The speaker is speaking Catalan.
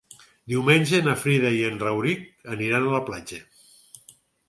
Diumenge na Frida i en Rauric aniran a la platja.